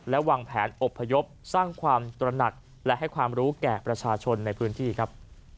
และวางแผนอบพยพสร้างความตระหนักและให้ความรู้แก่ประชาชนในพื้นที่ครับ